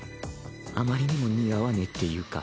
あまりにも似合わねぇっていうか。